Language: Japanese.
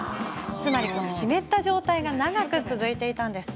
つまり湿った状態が長く続いていました。